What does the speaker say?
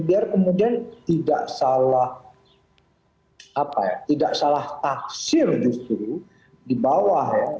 biar kemudian tidak salah taksir justru di bawah ya